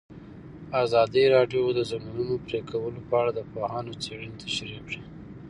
ازادي راډیو د د ځنګلونو پرېکول په اړه د پوهانو څېړنې تشریح کړې.